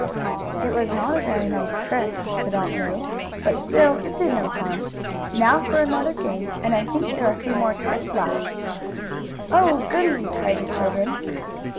"It was not a very nice trick," said Aunt Lu. "But still it did no harm. Now for another game, and I think there are a few more tarts left." "Oh, goodie!" cried the children.